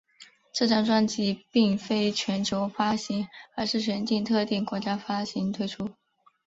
这张专辑并非全球发行而是选定特定国家发行推出。